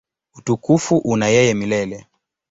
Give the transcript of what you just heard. Utukufu una yeye milele.